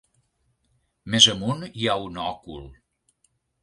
Més amunt hi ha un òcul.